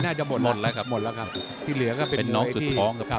นี่น่าจะหมดแล้วครับหมดแล้วครับที่เหลือก็เป็นเป็นน้องสุดท้องครับครับ